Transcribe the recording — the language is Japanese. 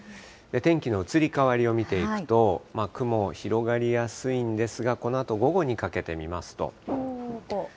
天気の移り変わりを見ていくと、雲、広がりやすいんですが、このあと午後にかけて見ますと。